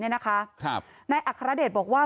นายอัครเดชบอกว่า